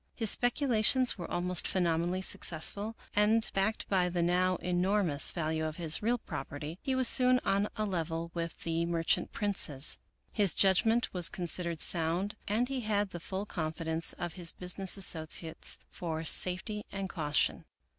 His speculations were almost phenomenally successful, and, backed by the now enormous value of his real property, he was soon on a level with the merchant princes. His judgment was considered sound, and he had the full confidence of his business associates for safety and caution.